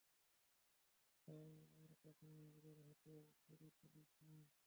তাই আর কখনও নিজেদের হাতে ছুরি তুলিস না।